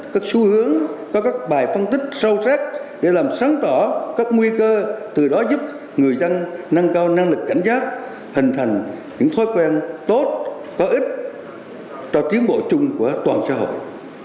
các xu hướng có các bài phân tích sâu sắc để làm sáng tỏ các nguy cơ từ đó giúp người dân nâng cao năng lực cảnh giác hình thành những thói quen tốt có ích cho tiến bộ chung của toàn xã hội